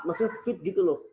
maksudnya fit gitu loh